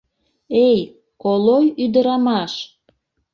— Эй, колой ӱдырамаш!